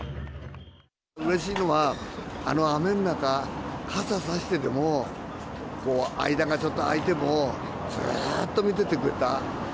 うれしいのは、あの雨の中、傘差してても、間がちょっとあいても、ずーっと見ててくれた。